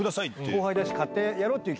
後輩だし買ってやろうって。